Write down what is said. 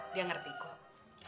dia ngerti kok